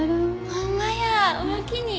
ほんまやおおきに。